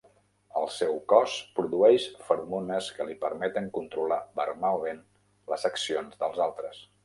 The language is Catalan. El seu cos produeix feromones que li permeten controlar verbalment les accions dels altres.